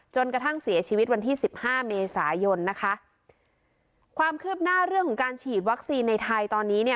จนกระทั่งเสียชีวิตวันที่สิบห้าเมษายนนะคะความคืบหน้าเรื่องของการฉีดวัคซีนในไทยตอนนี้เนี่ย